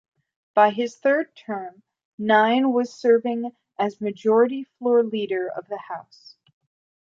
By his third term Nein was serving as majority floor leader of the House.